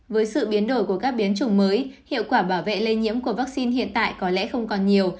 với sự biến đổi của các biến chủng mới hiệu quả bảo vệ lây nhiễm của vaccine hiện tại có lẽ không còn nhiều